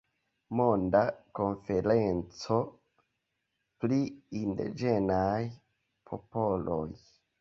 Monda Konferenco pri Indiĝenaj Popoloj.